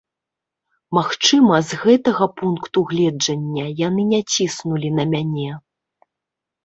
Магчыма, з гэтага пункту гледжання яны не ціснулі на мяне.